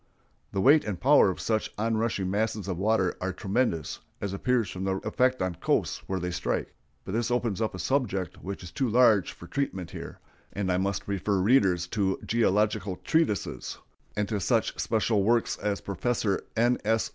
The weight and power of such on rushing masses of water are tremendous, as appears from the effect on coasts where they strike; but this opens up a subject which is too large for treatment here, and I must refer readers to geological treatises, and to such special works as Professor N. S.